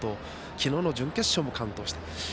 昨日の準決勝も完投した。